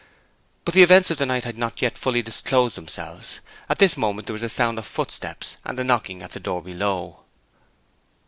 But the events of the night had not yet fully disclosed themselves. At this moment there was a sound of footsteps and a knocking at the door below.